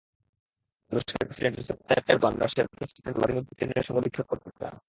তুরস্কের president Recep Tayyip Erdogan রাশিয়ার president Vladimir পুতিনের সঙ্গে বৈঠক করতে চান।